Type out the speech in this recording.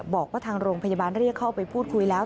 บอกว่าทางโรงพยาบาลเรียกเข้าไปพูดคุยแล้ว